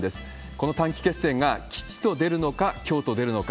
この短期決戦が吉と出るのか凶と出るのか。